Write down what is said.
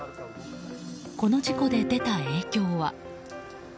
この事故で出た影響は。